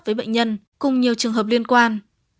với bệnh nhân cùng nhiều trường hợp liên quan